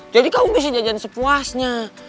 jadi kamu bisa jajan sepuasnya